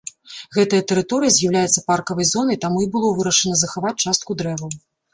Гэтая тэрыторыя з'яўляецца паркавай зонай, таму і было вырашана захаваць частку дрэваў.